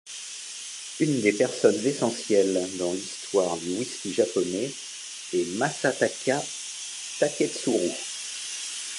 Une des personnes essentielle dans l’histoire du whisky japonais est Masataka Taketsuru.